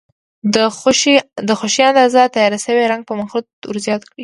د خوښې اندازه تیار شوی رنګ په مخلوط ور زیات کړئ.